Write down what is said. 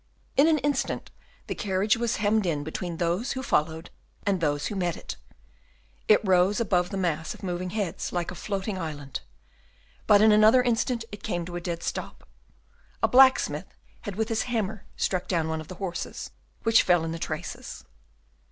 In an instant the carriage was hemmed in between those who followed and those who met it. It rose above the mass of moving heads like a floating island. But in another instant it came to a dead stop. A blacksmith had with his hammer struck down one of the horses, which fell in the traces.